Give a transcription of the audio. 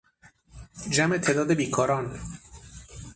جمع تعداد بیکاران